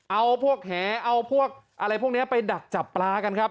เอาพวกแหเอาพวกอะไรพวกนี้ไปดักจับปลากันครับ